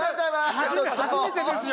初めてですよ！